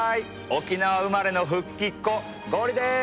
沖縄生まれの復帰っ子ゴリです。